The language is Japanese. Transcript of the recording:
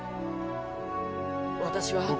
私は。